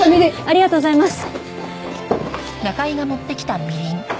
ありがとうございます。